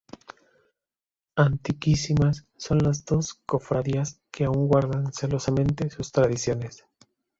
Antiquísimas son las dos Cofradías que aun guardan celosamente sus tradiciones.